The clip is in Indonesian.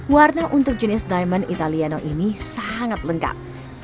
warna untuk jenis diamond italiano ini sangat lengkap